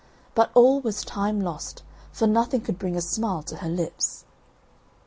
But all was time lost, for nothing could bring a smile to her lips.